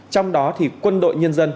trong đó thì quân đội nhân dân